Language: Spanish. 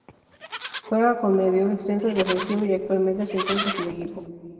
Juega como mediocentro defensivo y actualmente se encuentra sin equipo.